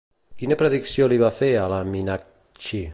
Quina predicció li van fer a la Minakxi?